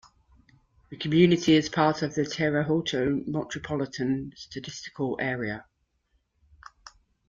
The community is part of the Terre Haute Metropolitan Statistical Area.